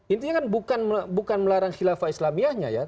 intinya kan bukan melarang khilafah islamia nya ya